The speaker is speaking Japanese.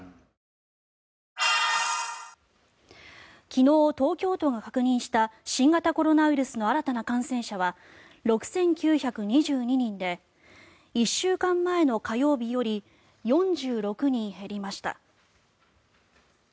昨日、東京都が確認した新型コロナウイルスの新たな感染者は６９２２人で１週間前の火曜日より４６人減りました。